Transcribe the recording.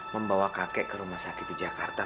membawa kakek ke rumah sakit di jakarta